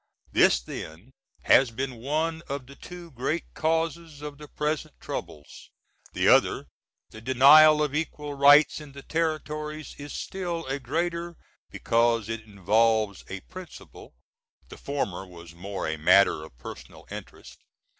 This then has been one of the two great causes of the present troubles. The other the denial of equal rights in the Territories is still a greater, because it involves a principle; the former was more a matter of personal interest.